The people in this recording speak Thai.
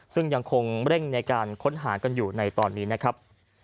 ซึ่งยังคงเร่งในการค้นหากันอยู่ในตอนนี้นะครับ